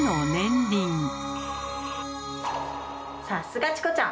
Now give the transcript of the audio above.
さすがチコちゃん！